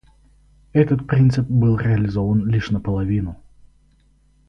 Этот принцип был реализован лишь наполовину.